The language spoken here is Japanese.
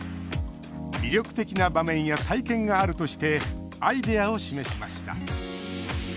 魅力的な場面や体験があるとしてアイデアを示しました。